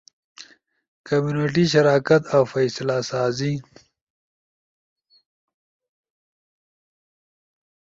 کمیونٹی شراکت اؤ فیصلہ سازی۔